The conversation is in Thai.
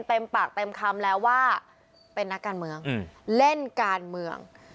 เต็มปากเต็มคำแล้วว่าเป็นนักการเมืองเล่นการเมือง